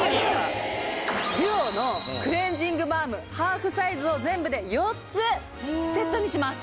ＤＵＯのクレンジングバームハーフサイズを全部で４つセットにします